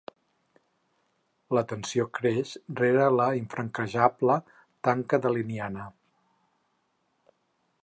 La tensió creix rere la infranquejable tanca daliniana.